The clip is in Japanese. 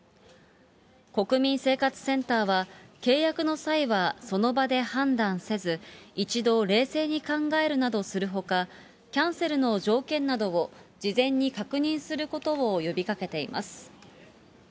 国民生活センターは、契約の際はその場で判断せず、一度冷静に考えるなどするほか、キャンセルの条件などを事前に確認することを呼びかけています。